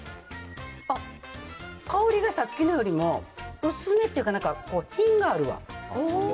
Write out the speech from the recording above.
あっ、香りがさっきのよりも薄めっていうか、品があるわ。